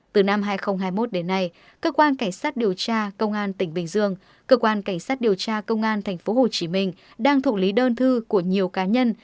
từ năm hai nghìn hai mươi một đến nay cơ quan cảnh sát điều tra công an tp hcm đang thụ lý đơn thư của nhiều cá nhân